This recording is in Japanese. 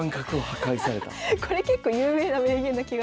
これ結構有名な名言な気がする。